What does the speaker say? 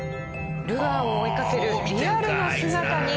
ルアーを追いかけるリアルな姿に。